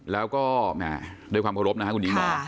แล้วก็โดยความขอบครบคุณหญิงหมอ